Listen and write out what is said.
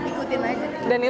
dan itu ngebantu banget